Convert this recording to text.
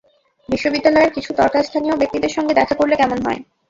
বিশ্ববিদ্যালয়ের কিছু কর্তাস্থানীয় ব্যক্তিদের সঙ্গে দেখা করলে কেমন হয়?